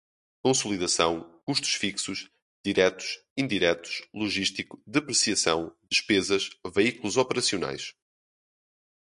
consolidação custos fixos diretos indiretos logístico depreciação despesas veículos operacionais